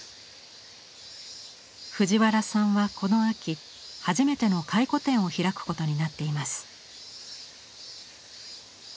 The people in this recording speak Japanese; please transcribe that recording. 藤原さんはこの秋初めての回顧展を開くことになっています。